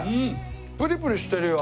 プリプリしてるよ